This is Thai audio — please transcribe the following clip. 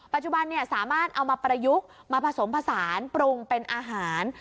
ปัจจุบันสามารถเอามาประยุกต์มาผสมผสานปรุงเป็นอาหาร